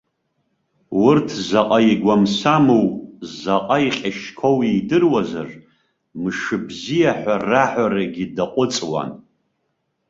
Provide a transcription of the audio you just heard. Урҭ заҟа игәамсаму, заҟа иҟьашьқәоу идыруазар, мшыбзиа ҳәа раҳәарагьы дыҟәыҵуан.